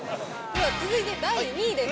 続いて第２位です。